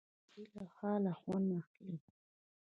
ژوندي له حاله خوند اخلي